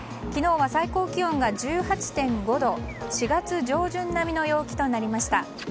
昨日は最高気温が１８．５度４月上旬並みの陽気となりました。